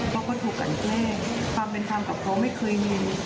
เขาก็ถูกกันแกล้งความเป็นธรรมกับเขาไม่เคยมี